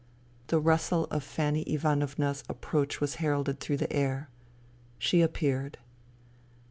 The rustle of Fanny Ivanovna's approach was heralded through the air. She appeared.